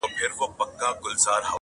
نه دا چې کسبي دې وبلل شي